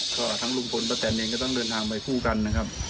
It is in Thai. ก็ทั้งลุงพลป้าแตนเองก็ต้องเดินทางไปคู่กันนะครับ